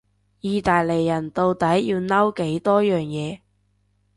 意大利人到底要嬲幾多樣嘢？